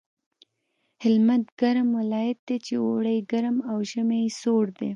هلمند ګرم ولایت دی چې اوړی یې ګرم او ژمی یې سوړ دی